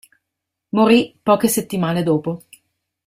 Morì poche settimane dopo.